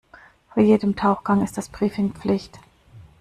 Vor jedem Tauchgang ist das Briefing Pflicht.